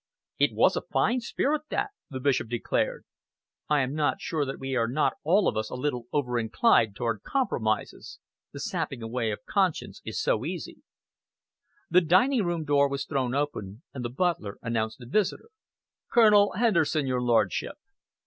"It was a fine spirit, that," the Bishop declared. "I am not sure that we are not all of us a little over inclined towards compromises. The sapping away of conscience is so easy." The dining room door was thrown open, and the butler announced a visitor. "Colonel Henderson, your lordship."